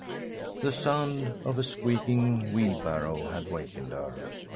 The sound of a squeaking wheelbarrow had wakened her.